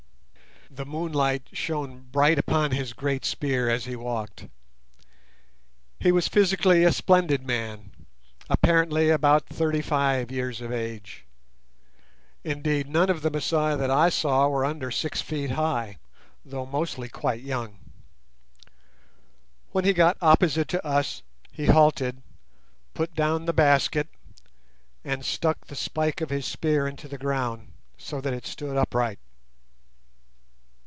The moonlight shone bright upon his great spear as he walked. He was physically a splendid man, apparently about thirty five years of age. Indeed, none of the Masai that I saw were under six feet high, though mostly quite young. When he got opposite to us he halted, put down the basket, and stuck the spike of his spear into the ground, so that it stood upright.